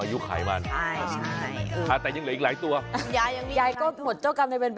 เยอะ